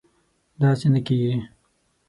داسې نه کېږي